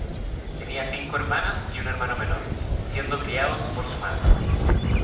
Tenía cinco hermanas y un hermano menor, siendo criados por su madre.